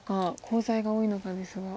コウ材が多いのかですが。